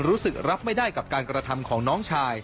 รู้สึกรับไม่ได้กับการกระทำของน้องชาย